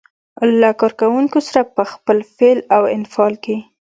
له کار کوونکو سره په خپل فعل او انفعال کې.